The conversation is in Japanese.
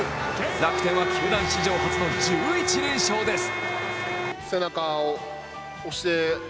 楽天は球団史上初の１１連勝です。